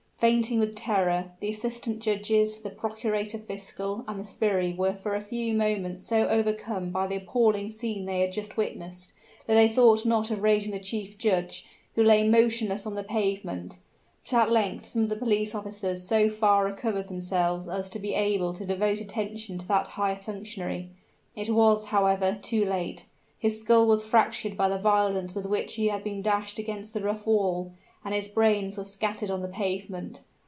Fainting with terror, the assistant judges, the procurator fiscal, and the sbirri were for a few moments so overcome by the appalling scene they had just witnessed, that they thought not of raising the chief judge, who lay motionless on the pavement. But at length some of the police officers so far recovered themselves as to be able to devote attention to that high functionary it was, however, too late his skull was fractured by the violence with which he had been dashed against the rough wall, and his brains were scattered on the pavement.